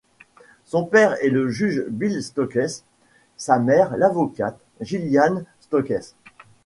Son père est le Juge Bill Stokes, sa mère l'avocate Jillian Stokes.